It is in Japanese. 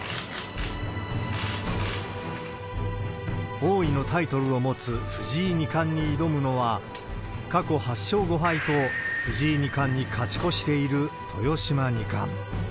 王位のタイトルを持つ藤井二冠に挑むのは、過去８勝５敗と、藤井二冠に勝ち越している豊島二冠。